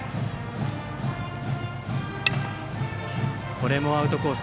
これもアウトコース